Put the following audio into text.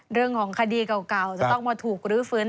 เรื่องของคดีเก่าจะต้องมาถูกรื้อฟื้น